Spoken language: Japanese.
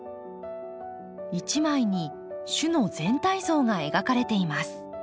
一枚に種の全体像が描かれています。